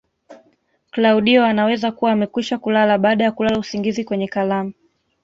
Klaudio anaweza kuwa amekwisha kulala baada ya kulala usingizi kwenye kalamu